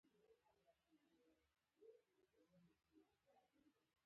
پښتو ته د پام نه ورکول د پښتنو د فرهنګی هویت ته تاوان رسوي.